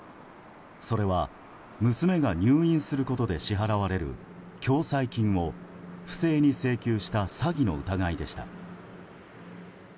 それは娘が入院することで支払われる共済金を不正に請求した詐欺の疑いでした。